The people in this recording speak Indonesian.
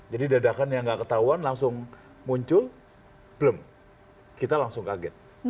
jadi dadakan yang nggak ketahuan langsung muncul blum kita langsung kaget